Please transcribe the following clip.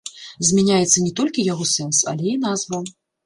Змяняецца не толькі яго сэнс, але і назва.